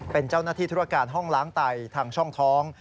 เป็นเจ้าหน้าที่ธุรการห้องล้างไตทางช่องท้อง